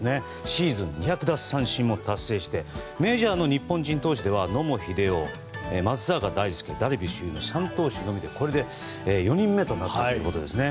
シーズン２００奪三振も達成してメジャーの日本人投手では野茂英雄、松坂大輔ダルビッシュ、３投手のみでこれで４人目となったということですね。